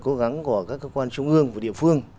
cố gắng của các cơ quan trung ương và địa phương